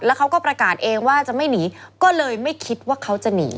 เขาก็ประกาศเองว่าจะไม่หนีก็เลยไม่คิดว่าเขาจะหนี